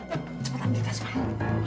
cepat ambil tas farida